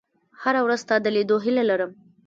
• هره ورځ ستا د لیدو هیله لرم.